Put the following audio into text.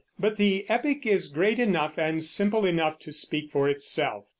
But the epic is great enough and simple enough to speak for itself.